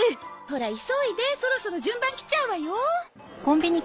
ほら急いでそろそろ順番きちゃうわよ。